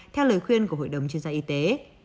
theo lời khuyên của hội đồng chuyên gia y tế